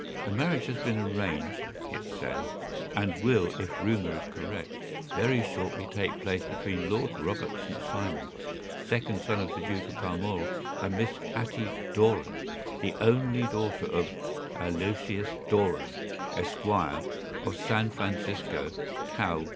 ‘A marriage has been arranged,’ it says, ‘and will, if rumor is correct, very shortly take place, between Lord Robert St. Simon, second son of the Duke of Balmoral, and Miss Hatty Doran, the only daughter of Aloysius Doran, Esq., of San Francisco, Cal.